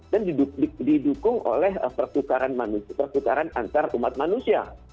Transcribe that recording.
dan didukung oleh persukaran antarumat manusia